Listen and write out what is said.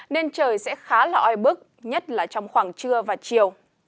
nên trời sẽ khá là oi bức nhất là trong khoảng trưa và chiều